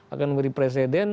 akan menjadi presiden